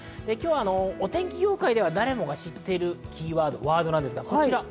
お天気業界では誰もが知っているキーワードですが、こちら。